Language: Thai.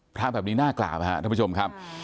พระภาพแบบนี้น่ากล่าวท่านผู้ชมครับ